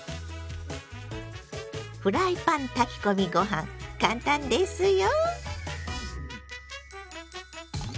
フライパン炊き込みご飯簡単ですよ。